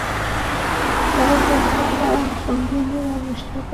তাঁরা দেখতে পান, সঙ্গিনীর অবিশ্বস্ততা পুরুষ চড়ুই একটা পর্যায়ে জানতে পারে।